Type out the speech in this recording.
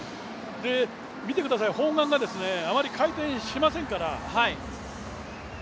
見てください、砲丸があまり回転しませんから。